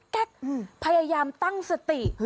แก๊กพยายามตั้งสติ